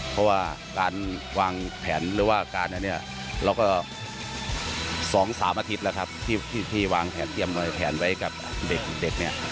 เพราะว่าการวางแผนเราก็สองสามอาทิตย์แล้วครับที่พี่วางแผนเตรียมมวยแผนไว้กับเด็กเนี่ย